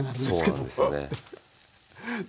そうなんですよね。